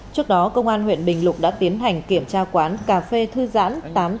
trước đó công an huyện bình lục đã tiến hành kiểm tra quán cà phê thư giãn tám trăm tám mươi tám